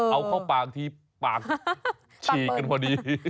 เอาเข้าปากทีปากฉีกกันพอดี